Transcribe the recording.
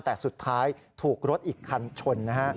แต่สุดท้ายถูกรถอีกคันชนนะฮะ